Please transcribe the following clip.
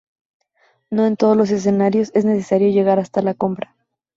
No en todos los escenarios es necesario llegar hasta la compra.